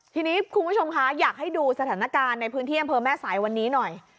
ทีนี้คุณผู้ชมคะอยากให้ดูสถานการณ์ในพื้นที่อำเภอแม่สายวันนี้หน่อย